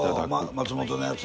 松本のやつ？